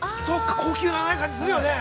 ◆高級な感じするよね。